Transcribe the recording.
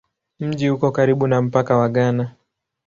Mji uko karibu na mpaka wa Ghana.